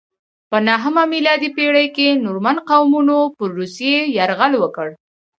په نهمه میلادي پیړۍ کې نورمن قومونو پر روسیې یرغل وکړ.